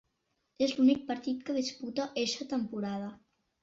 És l'únic partit que disputa eixa temporada.